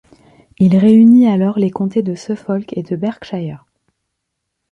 Il réunit alors les comtés de Suffolk et de Berkshire.